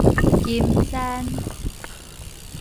金山